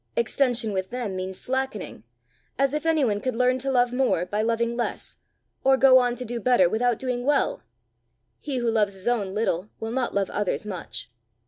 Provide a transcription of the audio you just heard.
Extension with them means slackening as if any one could learn to love more by loving less, or go on to do better without doing well! He who loves his own little will not love others much."